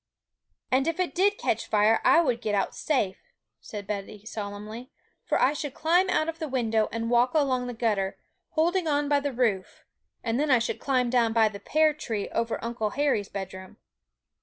'And if it did catch fire I would get out safe,' said Betty solemnly; 'for I should climb out of the window and walk along the gutter, holding on by the roof; and then I should climb down by the pear tree over Uncle Harry's bedroom.'